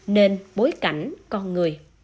nền bối cảnh con người